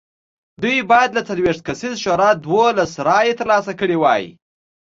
دوی باید له څلوېښت کسیزې شورا دولس رایې ترلاسه کړې وای